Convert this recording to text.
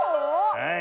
はい。